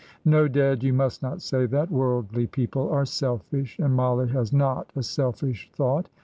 "No, dad, you must not say that. Worldly people are selfish, and Mollie has not a selfish thought.